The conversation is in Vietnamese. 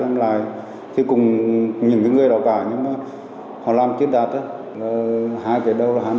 mà cũng chuyển cho anh thương